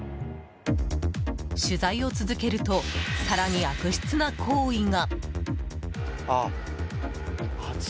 取材を続けると更に悪質な行為が。